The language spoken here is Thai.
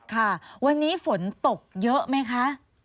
ค่ะวันนี้ฝนตกเยอะไหมคะ